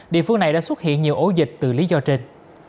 địa phương này đã xuất hiện nhiều ổ dịch từ lý do trên